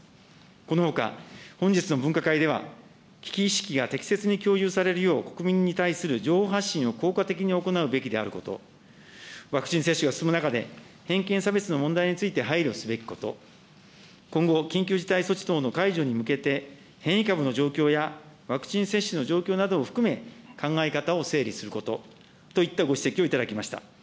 このほか、本日の分科会では、危機意識が適切に共有されるよう国民に対する情報発信を効果的に行うべきであること、ワクチン接種が進む中で、偏見、差別の問題について配慮すべきこと、今後、緊急事態措置等の解除に向けて、変異株の状況やワクチン接種の状況などを含め、考え方を整理することといったご指摘を頂きました。